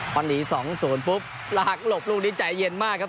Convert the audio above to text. พอหนีสองศูนย์ปุ๊บหลากหลบลูกนี้ใจเย็นมากครับ